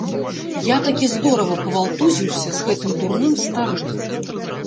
Я такі здорава павалтузіўся з гэтым дурным старым.